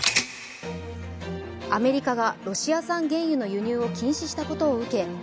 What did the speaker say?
アメリカがロシア産原油の輸入を禁止したことを受け